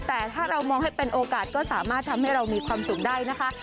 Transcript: แต่ถ้าเรามองให้เป็นโอกาสก็สามารถทำให้เรามีความสุขได้นะคะ